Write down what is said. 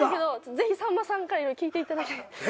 ぜひさんまさんから色々聞いていただけ。